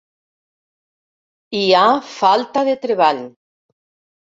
Hi ha falta de treball.